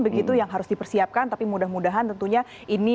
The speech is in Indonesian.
begitu yang harus dipersiapkan tapi mudah mudahan itu harus diperbaiki